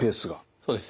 そうですね。